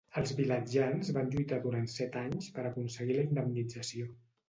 Els vilatjans van lluitar durant set anys per aconseguir la indemnització.